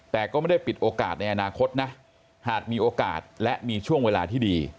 แต่ก็ไม่ได้ปิดโอกาสในอนาคตนะหากมีโอกาสและมีช่วงเวลาที่ดี